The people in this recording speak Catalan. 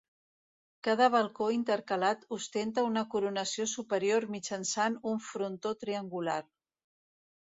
Cada balcó intercalat ostenta una coronació superior mitjançant un frontó triangular.